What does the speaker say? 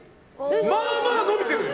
まあまあ伸びてるよ！